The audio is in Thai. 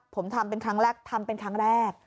ผมทำเป็นครั้งแรกทำเป็นครั้งแรก